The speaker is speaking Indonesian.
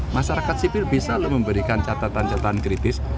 masyarakat sipil bisa memberikan catatan catatan kritis